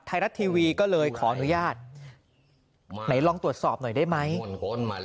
ไทยรัฐทีวีก็เลยขออนุญาตไหนลองตรวจสอบหน่อยได้ไหม